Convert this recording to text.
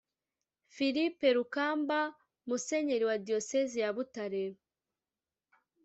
philippe rukamba, musenyeri wa diyosezi ya butare